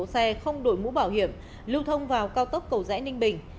xe không đổi mũ bảo hiểm lưu thông vào cao tốc cầu rẽ ninh bình